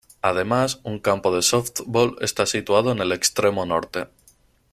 Además, un campo de sóftbol está situado en el extremo norte.